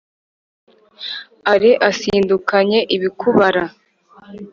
ale asindukanye ibikubara